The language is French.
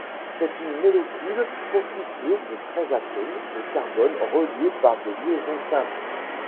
C'est une molécule constituée de treize atomes de carbone reliés par des liaisons simples.